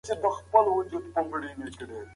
ټولي ټولنيزي څانګي بهرنۍ پديدې څېړي.